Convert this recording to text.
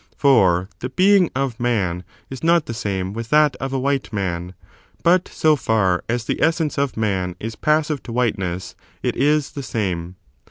For the being of man is not the same with that of a white man; but so far as the essence of man is passive to whiteness it is the same.